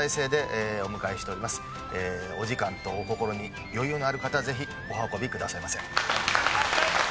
お時間とお心に余裕のある方はぜひお運びくださいませ。